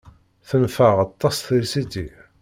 Tenfeɛ aṭas trisiti.